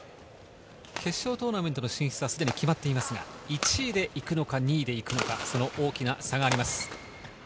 決勝トーナメント進出がすでに決まっていますが１位で行くのか２位で行くのか、その大きな差があります。